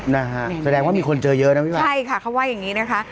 นะฮะแสดงว่ามีคนเจอเยอะนะพี่วันใช่ค่ะเขาว่าอย่างงี้นะคะ